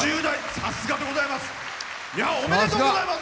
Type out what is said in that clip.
さすがでございます。